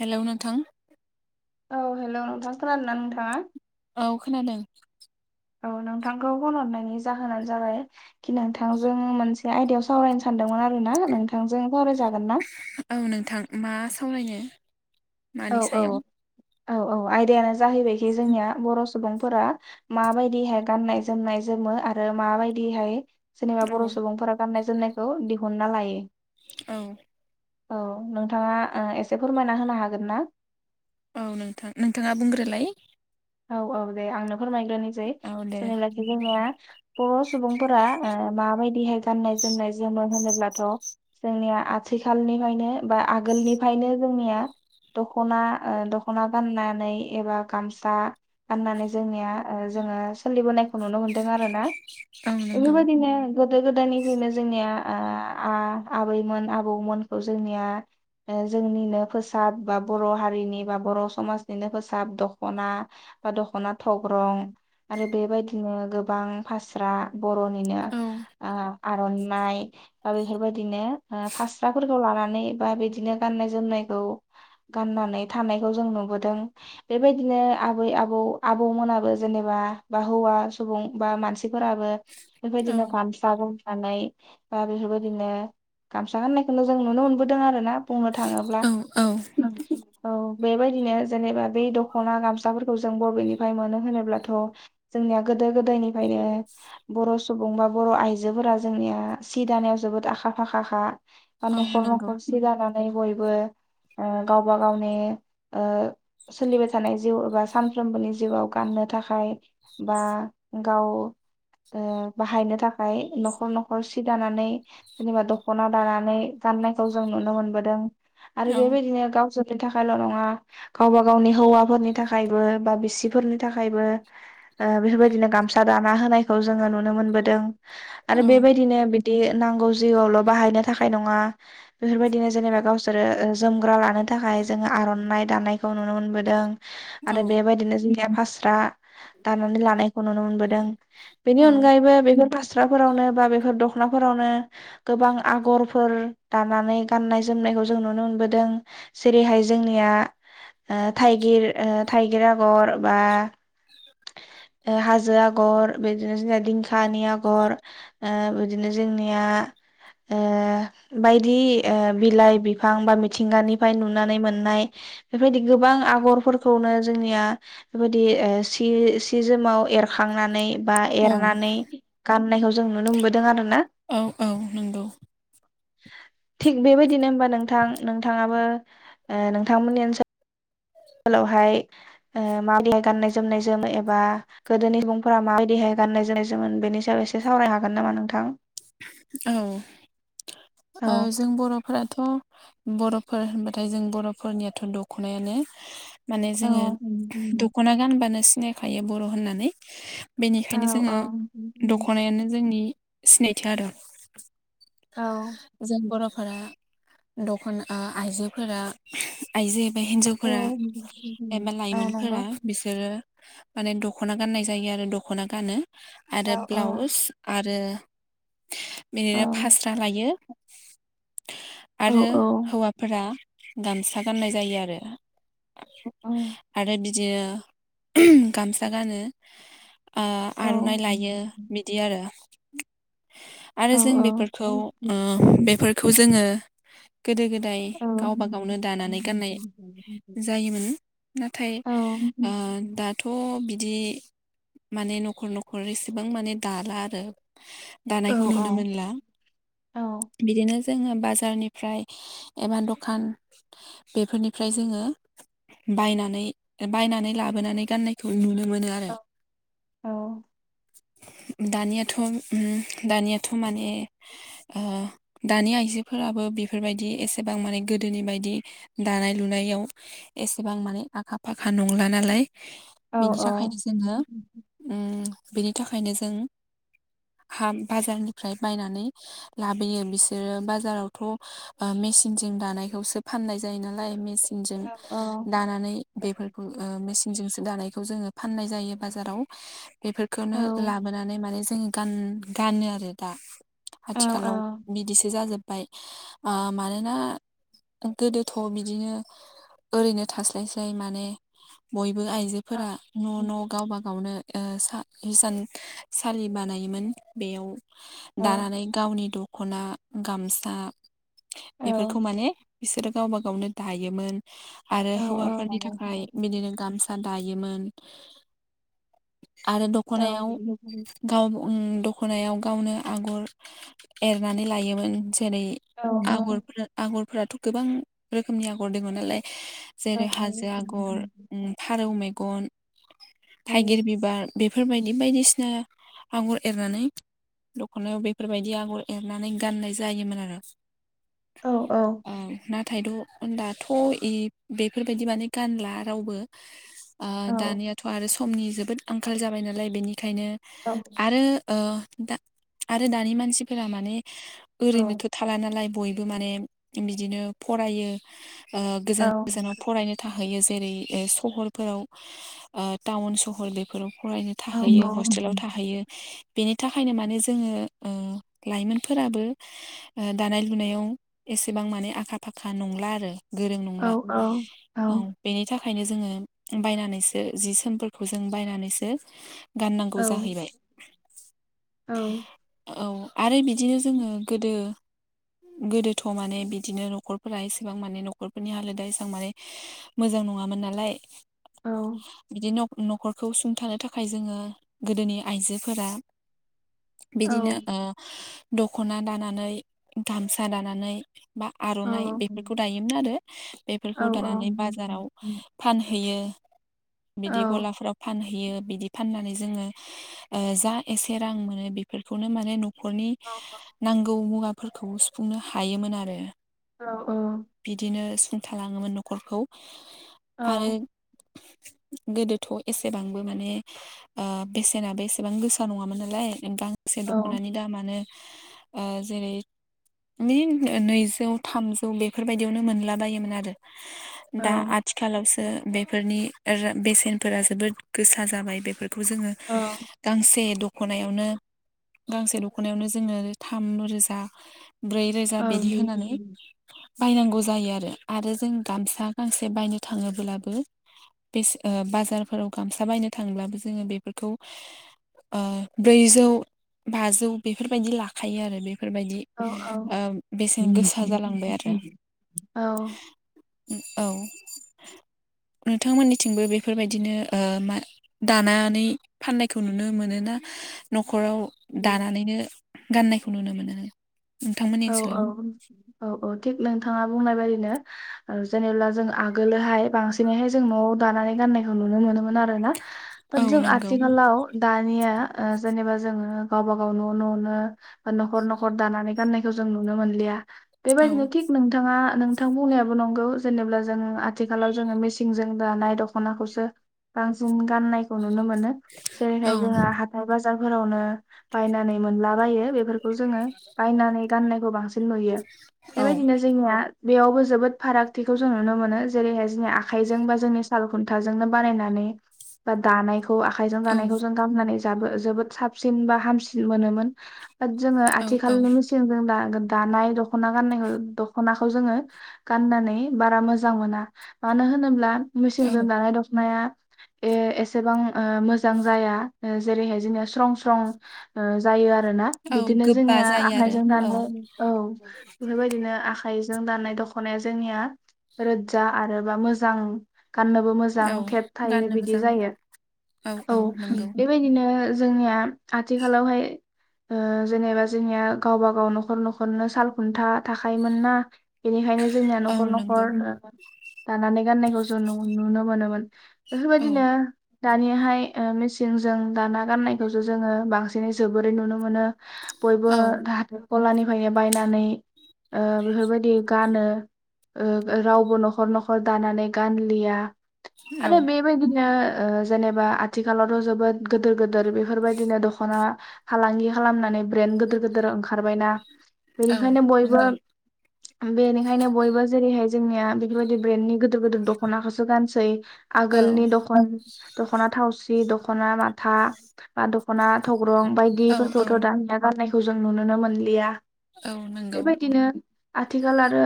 Hello नोंथां औ hello नोंथां खोनादों ना नोंथाङा? औ खोनादों। औ नोंथांखौ फन हरनायनि जाहोनानो जाबाय कि नोंथां जोङो मोनसे आयदायाव सावरायनो सानदोंमोन आरो ना नोंथांजों सावरायजागोन ना। औ नोंथां मा सावरायनो? औ मानि औ सायाव औ औ आयदायानो जाहैबायखि जोंनिया बर' सुबुंफोरा माबायदिहाय गाननाय जोमनाय जोमो आरो माबायदिहाय जेनेबा औ बर' सुबुंफोरा गाननाय जोमनायखौ दिहुनना लायो। औ औ नोंथाङा ओ एसे फोरमायना होनो हागोन ना? औ नोंथां नोंथाङा बुंग्रोलाय। औ औ दे आंनो फोरमायग्रोनोसै औ दे जेनेलाखि जोंनिया बर' सुबुंफोरा ओ माबायदिहाय गाननाय जोमनाय जोमोन होनोब्लाथ' जोंनिया आथिखालनिफायनो बा आगोलनिफायनो जोंनिया दख'ना ओ दख'ना गाननानै एबा गामसा फाननानै जोंनिया ओ जोङो सोलिबोनायखौ नुनो मोनदों आरो ना औ नंगौ बेफोरबायदिनो गोदो गोदायनिफ्रायनो जोंनिया ओ आ-आबैमोन आबौमोनखौ जोंनिया ओ जोंनिनो फोसाब बा बर' हारिनि बा बर' समाजनिनो फोसाब दख'ना बा दख'ना थग्रं आरो बेबायदिनो गोबां फास्रा बर'निनो औ ओ आर'नाइ बा बेफोरबायदिनो ओ फास्राफोरखौ लानानै बा बिदिनो गाननाय जोमनायखौ गाननानै थानायखौ जों नुबोदों बेबायदिनो आबै आब बौ आबौमोनाबो जेनेबा बा हौवा सुबुं बा मानसि थिफोराबो औ बेबायदिनो गामसा गमसानै दा बिफोरबादिनो गामसा गान्नायखौनो जों नुनो मोनबोदों आरो ना बुंनो थाङोब्ला। औ औ औ बेबायदिनो जेनेबा बे दख'ना गामसाफोर खौ जों बबेनिफ्राय मोनो होनोब्लाथ' जोंनिया गोदो गोदायनिफ्रायनो बर' सुबुं बा बर' आइजोफोरा जोंनिया सि दानायाव जोबोद आखा फाखाखा। दा औ न'खर नंगौ न'खर सि दाना नै बयबो ओ गावबा गावनि ओ सोलिबाय थानाय जिउ एबा सानफ्रोमबोनि जिउआव गाननो थाखाय बा गाव ओ बाहायनो थाखाय न'खर न'खर सि दानानै जेनेबा दख'ना दानानै गाननायखौ जों नुनों मोनबोदों आरो औ बिबायदिनो गावसोरनि थाखायल' नङा गावबा गावनि हौवाफोरनि थाखा खायबो बा बिसिफोरनि थाखायबो ओ बिफोरबायदिनो गामसा दाना होनायखौ जोङो नुनो मोनबोदों। आरो औ बेबायदिनो बे दि नांगौ जिउआवल' बाहायनो थाखाय नङा बिफोरबायदिनो जेनेबा गावसोरो ओ जोमग्रा लानो थाखाय जोङो आर'नाइ दानायखौ नुनो मोनबोदों औ आरो बेबायदिनो जोंनिया फास्रा दानानै लानायखौ नुनो मोनबोदों बेनि औ अनगायैबो बेफोर फास्राफोरावनो बा बेफोर दख'नाफोरावनो गोबां आगरफोर दानानै गाननाय जोमनायखौ जों नुनो मोनबोदों जेरैहाय जोंनिया ओ थाइगिर ओ थाइगिर आगर बा ओ हाजो आग'र बिदिनो जोंना दिंखानि आगर ओ बिदिनो जोंनिया ओ बायदि ओ बिलाइ बिफां बा मिथिंगानिफ्राय नुनानै मोननाय बेबायदि गोबां आगरफोरखौनो जोंनिया बेबायदि ओ [unintelligible] सि जोमाव एरखांनानै बा औ एरनानै गाननायखौ जों नुनो मोनबोदों आरो ना औ औ नंगौ थिग बेबायदिनो ओमबा नोंथां नोंथाङाबो ओ नोंथांमोननि ओनसो लावहाय ओ [unintelligible] गाननाय जोमनाय जोमो एबा गोदोनि सुबुंफोरा माबायदिहाय गाननाय जोमनाय जोमोन बेनि सायाव एसे सावराय हागोन नामा नोंथां? औ औ। जों बर'फोराथ' बर'फोर होनबाथाय जों बर'फोरनियाथ' दख'नायानो माने औ जोङो दख'ना गानबानो सिनायखायो बर' होननानै बेनिखायनो जोङो दख'नायानो जोंनि सिनायथि आरो औ जों बर'फोरा दखना आइजोफोरा आइजो एबा औ हिन्जावफोरा एबा नंगौ लाइमोनफोरा बिसोरो माने दख'ना गाननाय जायो आरो दख'ना गानो औ आरो ब्लाउस आरो औ बिदिनो फास्रा लायो औ आरो हौवा फोर गामसा गाननाय जायो आरो आरो [unintelligible] गामसा गानो ओ औ आर'नाइ लायो बिदि आरो औ आरो जों बेफोरखौ औ ओ बेफोरखौ जोङो गोदो गोदाय गावबा गावनो दानानै गाननाय [unintelligible] जायोमोन नाथाय ओ दा थ' बिदि माने न'खर न'खर एसेबां माने दाला आरो दानायखौ नुनो मोनला बिदिनो जोङो बाजारनिफ्राय एबा दखान बेफोरनिफ्राय जोङो बायनानै बायनानै लाबोनानै गाननायखौ नुनो मोनो आरो दानियाथ' ओम दानियाथ' माने ओ दानि आइजोफोराबो बेफोरबायदि एसेबां माने गोदोनि बायदि दानाय लुनायाव एसेबां माने आखा फाखा नंला नालाय बेनि थाखायनो जोङो उम बेनि थाखायनो जों हाम बाजारनिफ्राय बायनानै लाबोयो बिसोरो बाजारावथ' मेचिनजों दानायखौसो फाननाय जायो नालाय मेचिनजों औ दानानै बेफोरखौ मेसिनजोंसो दानायखौ जोङो फाननाय जायो बाजाराव। औ बेफोरखौनो लाबोनानै माने जोङो गान गानो आरो दा। औ आथिखालाव बिदिसो जाजोब बाय आ मानोना गोदोथ' बिदिनो ओरैनो थास्लायस्लाय माने बयबो आइजोफोरा न' न' गावबा गावनो हिसानसालि बानायोमोन। बेयाव औ दानानै गावनि दख'ना गामसा बेफोरखौ माने बिसोरो गावबा गावनो दायोमोन। आरो औ औ हौवाफोरनि औ थाखाय बिदिनो गाम दायोमोन आरो दखनायाव गाव उम दख'नायाव गावनो आगर एरनानै लायोमोन जेरै आगरफ्रा आगरफ्राथ' गोबां रोखोमनि आगर दङ नालाय। जेरै हाजो आगर फारौ मेगन। थाइगिर बिबार बेफोरबायदि बायदिसिना आगर एरनानै दख'नायाव बेफोरबायदि आगर एरनानै गाननाय जायोमोन आरो। औ औ औ नाथायथ' दाथ' इ बेफोरबायदि माने गानला रावबो। आ दानियाथ' आरो समनि जोबोद आंखाल जाबाय नालाय बेनिखायनो औ आरो ओ दा आरो दानि मानसिफोरा माने ओरैनोथ' थाला नालाय बय बे माने बिदिनो फरायो गोजान गोजानाव फरायनो थाहैयो जेरै सहरफोराव टाउन सहर बेफोराव फरायनो। थाहैयो हस्टेलाव थाहैयो बेनि थाखायनो माने जोङो ओ लाइमोनफोराबो ओ दानाय लुनायाव एसेबां माने आखा फाखा नंला आरो। गोरों नंला औ बेनि थाखायनो जोङो बायनानैसो जि सोमफोरखौ जों बायनानैसो गाननांगौ जाहैबाय। औ औ आरो बिदिनो जोङो गोदो गोदोथ' माने बिदिनो न'खरफोरा एसेबां माने न'खरफोरनि हालोदा एसेबां माने मोजां नङामोन नालाय। बिदि न' न'खरखौ सुंथानो थाखाय जोङो गोदोनि आइजोफोरा बिदिनो ओ दख'ना दानानै गामसा दानानै बा आर'नाइ बेफोरखौ दायोमोन आरो बेफोरखौ दानानै बाजाराव फानहैयो बिदि गलाफ्राव। फानहैयो बिदि फाननानै जोङो ओ जा एसे रां मोनो बेफोरखौनो माने न'खरनि औ औ नांगौ मुवाफोरखौ सुफुंनो हायोमोन आरो। अ ओ बिदिनो सुंथालाङोमोन न'खरखौ आरो गोदोथ' एसेबांबो माने ओ बेसेनाबो एसेबां गो सा नङामोन नालाय गांसे दख'नानि दामानो ओ जेरै माने नैजौ थामजौ बेफोरबायदियावनो मोनला बायोमोन आरो दा आथिखालावसो बेफोरनि ओ बेसेनफोरा जोबोद गोसा जाबाय बेफोर खौ जोङो गांसे दख'नायावनो गांसे दख'नायावनो जोङो थाम रोजा ब्रै ब्रै रोजा बिदि होनानै बायनांगौ जायो आरो आरो जों गामसा गांसे बायनो थाङोब्लाबो बेस ओ बाजारफोराव गामसा बायनो थांब्लाबो जोङो बेफोरखौ ओ ब्रैजौ बाजौ बेफोरबायदि लाखायो आरो बेफोरबायदि ओ बेसेन गोसा जालांबाय आरो। औ नोंथांमोननिथिंबो बेफोरबायदिनो ओ मा दानानै फाननायखौ नुनो मोनो ना न'खराव औ दानानैनो गाननायखौ नुनो मोनो नोंथांमोननि औ ओनसोलाव औ औ औ थिग नोंथाङा बुंनाय बायदिनो ओ जेनेबा जों आगोलोहाय बांसिनैहाय जों न'आव दानानै गाननायखौ नुनो मोनोमोन। आरोना औ बाद जों नंगौ आथिखालाव दानिया ओ जेनेबा जोङो गावबा गाव न' न'नो बा न'खर न'खर दानानै गाननाय खौ जों नुनो मोनलिया औ बेबायदिनो थिग नों थाङा नोंथां बुंनायाबो नंगौ जेनेबा जोङो आथिखालाव जोङो मिसिंजों दानाय दख'नाखौसो बांसिन गाननायखौ नुनो मोनो औ जेरैहाय जोंहा हा थाय बाजारफोरावनो बायनानै मोनलाबायो बेफोरखौ जोङो बायनानै गाननायखौ बांसिन नुयो औ बेबायदिनो जोंनिया बेयावबो जोबोद फारागथिखौ जों नुनो मोनो जेरैहाय जोंनि आखाइजों बा जोंनि साल खुन्थाजोंनो बानायनानै बा दानायखौ खौ आखायजों जानायखौ जों गानानै जाबो जोबोद साबसिन बा हामसिन मोनोमोन। बाद जोङो औ औ आथिखालनि मेसिन जों दा दानाय दख'ना गाननायखौ दख'नाखौ जोङो गाननानै बारा मोजां मोना मानो होनोब्ला औ मेसिनजों दानाय दख'नाया ए एसेबां ओ मोजां जाया जेरैहाय जोंनिया स्रं स्रं ओ जायो आरोना औ बिदिनो गोबा जोंनिया जायो आरो आखाइजों ना न' औ बेफोरबायदिनो आख खाइजों दानाय दख'नाया जोंनिया रोजजा आरो बा मोजां गाननोबो मोजां औ थेथ थायो गाननो बिदि मोजां जायो। औ बेबायदिनो जोंनिया आथिखालावहाय ओ जेनेबा जोंनिया गावबा गाव न'खर न'खरनो साल खुन्था थाखायोमोन ना बेनिखायनो जोंनिया औ न'खर नंगौ न'खर दानानै गाननायखौ जों नु नुनो मोनोमोन। औ बेफोरबायदिनो दानियाहाय ओ मेचिनजों दाना गाननायखौसो जोङो बांसिनै जोबोरै नुनो मोनो। बयबो औ हाथाइ गलानिफ्रायनो बायनानै ओ बेफोरबायदि गानो। ओ रावबो न'खर न'खर दानानै गानलिया औ आरो बे बेबायदिनो जेनेबा आथिखालावथ' जोबोद गिदोर गिदिर बेफोरबायदिनो दख'ना फालांगि खालामनानै ब्रेन गोदोर गोदोर ओंखारबायना औ बेनिखायनो बयबो नंगौ बेनिखायनो बयबो जेरैहाय जोंनिया बेफोरबायदि ब्रेन्डनि गो गोदोर गियोदोर दख'नाखौसो गानसै औ आगोलनि दखन दख'ना थावसि, दख'ना माथा, बा दख'ना थग्रं औ औ बायदिफोरखौथ' दानिया गाननायखौ जों नुुनोनो मोनलिया औ नंगौ बेबायदिनो आथिखाल आरो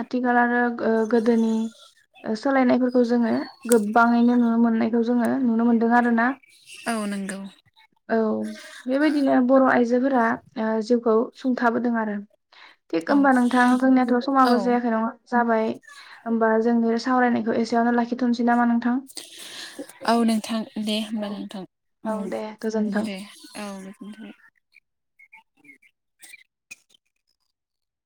आथिखाल आरो ओ गोदोनि ओ सोलायनायफोरखौ जोंङो गोबांङैनो नुनो मोननायखौ जोंङो नुनो मोनदों आरोना औ नंगौ औ। बेबायदिनो बर' आइजोफोरा ओ जिउखौ सुंथाबोदों आरो। थिग औ होमबा नोंथां जोंनियाथ' औ समाबो जायाखै नंङा जाबाय होमबा जोंनि सावरायनायखौ एसेयावनो लाखिथ'नोसै नामा नोंथां? औ नोंथां दे होमबा औ नोंथां दे गोजोन्थों। औ दे औ। [inaudible]